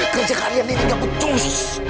kerja kalian ini gak putus